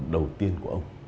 đầu tiên của ông